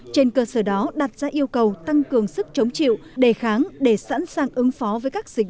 trên cơ sở đó đặt ra yêu cầu tăng cường sức chống chịu đề kháng để sẵn sàng ứng phó với các dịch